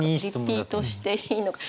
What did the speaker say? リピートしていいのか。